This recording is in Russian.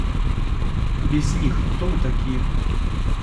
Без них – кто мы такие?